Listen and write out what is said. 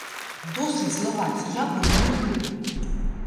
Досыць злаваць, я болей не буду!